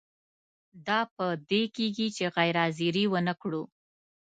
دا په دې کیږي چې غیر حاضري ونه کړو.